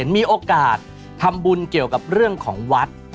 มีโอกาสทำบุญเกี่ยวกับเรื่องของวัด